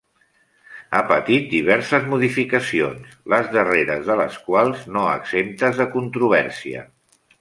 Ha patit diverses modificacions, les darreres de les quals no exemptes de controvèrsia.